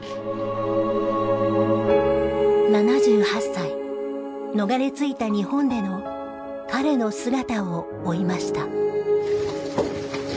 ７８歳逃れ着いた日本での彼の姿を追いました。